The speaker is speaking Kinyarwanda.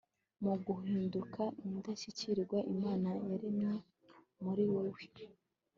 muguhinduka indashyikirwa imana yaremye muri wewe